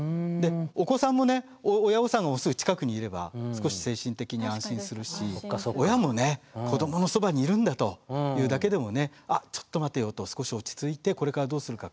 お子さんもね親御さんのすぐ近くにいれば少し精神的に安心するし親もね子どものそばにいるんだというだけでもねあっちょっと待てよと少し落ち着いてこれからどうするか考えよう。